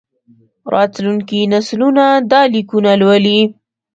راتلونکي نسلونه دا لیکونه لولي.